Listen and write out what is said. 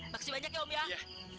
makasih banyak ya om ya